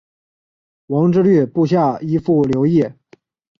王质率部下依附留异。